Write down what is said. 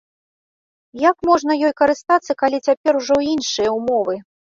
Як можна ёй карыстацца, калі цяпер ужо іншыя ўмовы?